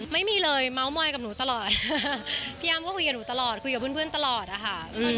ไม่มีเลยเมาส์มอยกับหนูตลอดพี่อ้ำก็คุยกับหนูตลอดคุยกับเพื่อนตลอดอะค่ะ